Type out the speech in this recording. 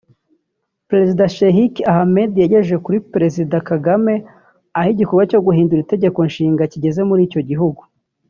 Perezida Sheikh Ahmed yagejeje kuri Perezida Kagame aho igikorwa cyo guhindura itegeko nshinga kigeze muri icyo gihugu